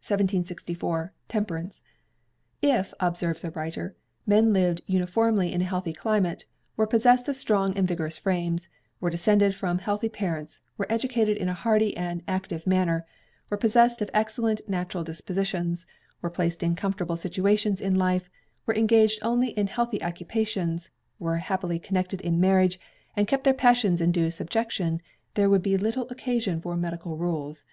1764. Temperance. "If," observes a writer, "men lived uniformly in a healthy climate, were possessed of strong and vigorous frames, were descended from healthy parents, were educated in a hardy and active manner, were possessed of excellent natural dispositions, were placed in comfortable situations in life, were engaged only in healthy occupations, were happily connected in marriage, and kept their passions in due subjection, there would be little occasion for medical rules."